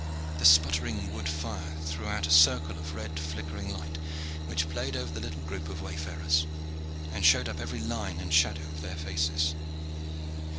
The sputtering wood fire threw out a circle of red flickering light which played over the little group of wayfarers, and showed up every line and shadow upon their faces.